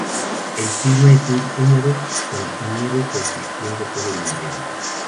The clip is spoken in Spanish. El clima es muy húmedo, con nieve persistiendo todo el invierno.